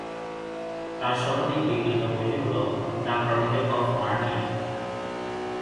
তার সর্বাধিক বিক্রীত বইটি হল "দ্য ক্রনিকল অফ নার্নিয়া"।